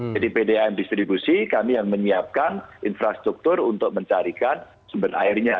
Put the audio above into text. jadi pdam distribusi kami yang menyiapkan infrastruktur untuk mencarikan sebenarnya